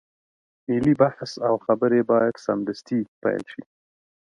ملي بحث او خبرې بايد سمدستي پيل شي.